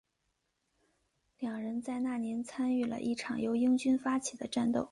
两人在那年参与了一场由英军发起的战斗。